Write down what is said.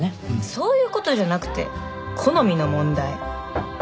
そういうことじゃなくて好みの問題。